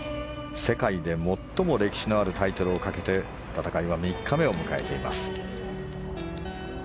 世界で最も歴史のあるタイトルをかけて戦いは３日目を迎えています。